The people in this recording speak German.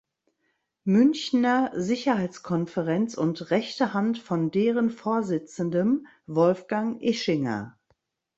Münchner Sicherheitskonferenz und rechte Hand von deren Vorsitzendem Wolfgang Ischinger.